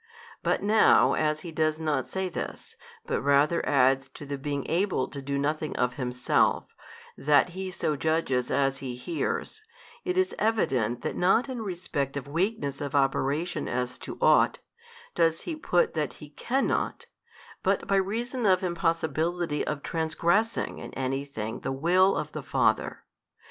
But now as He does not say this, but rather adds to the being able to do nothing of Himself, that He so judges as He hears, it is evident that not in respect of weakness of operation as to ought, does He put that He cannot, but by reason of impossibility of transgressing in anything the Will of the Father.